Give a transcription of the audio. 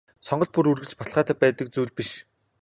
Сонголт бол үргэлж баталгаатай байдаг зүйл биш.